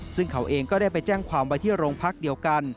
ซึ่งเขาเองก็ได้ไปแจ้งความไว้ที่โรงพักเดียวกัน